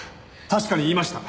確かに言いました。